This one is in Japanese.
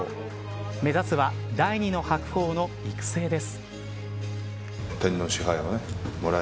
目指すは第二の白鵬の育成です。